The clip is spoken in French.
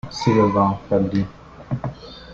Si le vent faiblit.